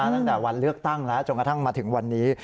ตั้งแต่วันเลือกตั้งแล้วจนกระทั่งมาถึงวันนี้